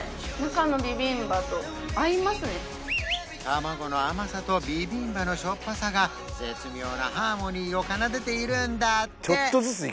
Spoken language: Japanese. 玉子の甘さとビビンバのしょっぱさが絶妙なハーモニーを奏でているんだって